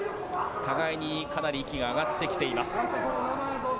互いにかなり息が上がってきています。